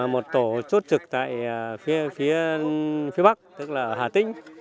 một tổ chốt trực tại phía bắc tức là hà tinh